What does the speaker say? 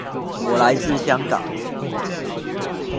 我來自香港